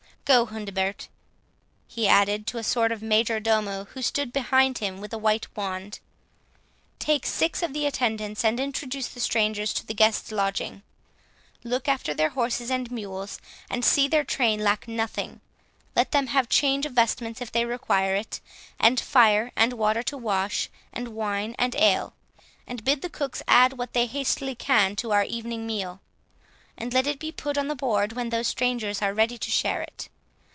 —Go, Hundebert," he added, to a sort of major domo who stood behind him with a white wand; "take six of the attendants, and introduce the strangers to the guests' lodging. Look after their horses and mules, and see their train lack nothing. Let them have change of vestments if they require it, and fire, and water to wash, and wine and ale; and bid the cooks add what they hastily can to our evening meal; and let it be put on the board when those strangers are ready to share it.